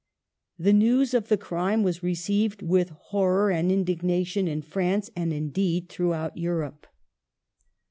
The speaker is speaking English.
The news of the crime was received with hori'or and indignation in France, and indeed throughout Europe.